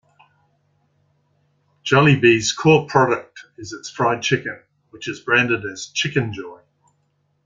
Jollibee's core product is its fried chicken, which is branded as Chickenjoy.